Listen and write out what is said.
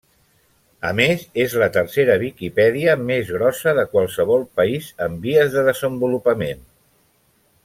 A més, és la tercera Viquipèdia més grossa de qualsevol país en vies de desenvolupament.